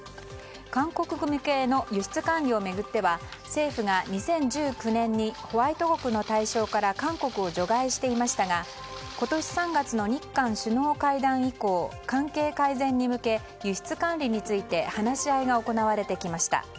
韓国向けの輸出管理を巡っては政府が２０１９年にホワイト国の対象から韓国を除外していましたが今年３月の日韓首脳会談以降関係改善に向け輸出管理について話し合いが行われてきました。